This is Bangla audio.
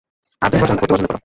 আর তুমি পড়তে পছন্দ করো।